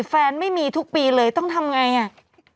ไม่มีทุกปีเลยต้องทำไงอ่ะ